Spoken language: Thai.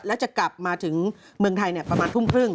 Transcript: แล้วจะกลับมาถึงเมืองไทยประมาณทุ่มครึ่ง